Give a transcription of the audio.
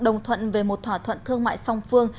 đồng thuận về một thỏa thuận thương mại song phương